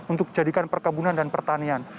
untuk jadikan perkebunan dan pertanian